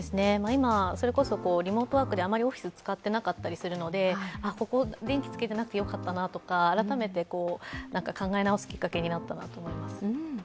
今、リモートワークであまりオフィスを使っていなかったりするのでここ電気つけていなくてよかったなとか、改めて考え直すきっかけになったと思います。